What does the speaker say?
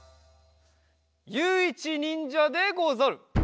ゆういちにんじゃでござる。